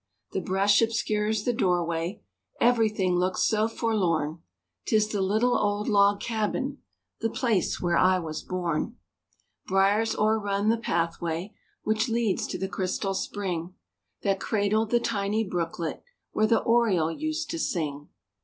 The brush obscures the doorway, Everything looks so forlorn, 'Tis the little old log cabin, The place where I was born— Briers o'errun the pathway Which leads to the crystal spring, That cradled the tiny brooklet Where the oriole used to sing.